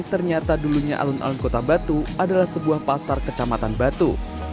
ternyata dulunya alun alun kota batu adalah sebuah pasar kecamatan batu